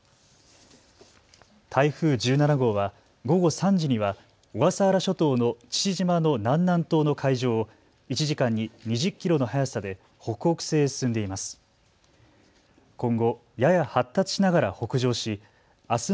台風１７号は午後３時には小笠原諸島の父島の南南東の海上を１時間に２０キロの速さで北北西へ進んでいます。